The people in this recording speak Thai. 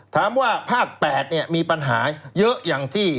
ถามว่าภาค๘มีปัญหาเยอะอย่างที่